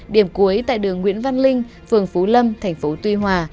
điểm cuối tại đường nguyễn văn linh phường phú lâm tp tuy hòa